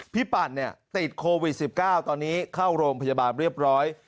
ปั่นติดโควิด๑๙ตอนนี้เข้าโรงพยาบาลเรียบร้อย